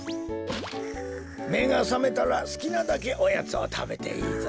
めがさめたらすきなだけおやつをたべていいぞ。